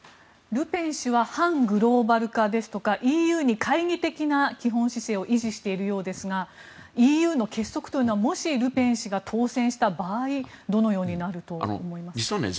ルペン氏は反グローバル化ですとかＥＵに懐疑的な基本姿勢を維持しているようですがＥＵの結束というのはもしルペン氏が当選した場合どのようになると思いますか？